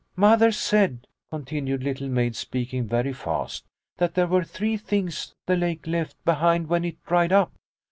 " Mother said," continued Little Maid, speak ing very fast, " that there were three things the lake left behind when it dried up.